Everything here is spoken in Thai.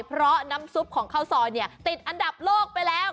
เพราะน้ำซุปของข้าวซอยเนี่ยติดอันดับโลกไปแล้ว